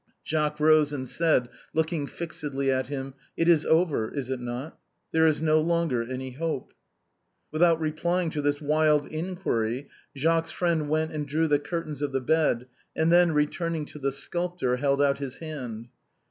Jacques rose, and said, looking fixedly at him, " It is over, is it not — there is no longer any hope ?" Without replying to this wild inquiry, Jacques's friend went and drew the curtains of the bed, and then, returning to the sculptor, held out his hand.